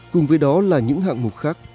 cùng với đó là những hạng mục khác